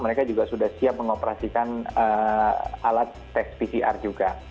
mereka juga sudah siap mengoperasikan alat tes pcr juga